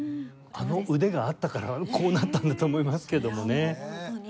あの腕があったからこうなったんだと思いますけどもね。